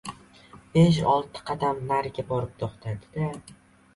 Besh-olti qadam nariga borib to‘xtadi- da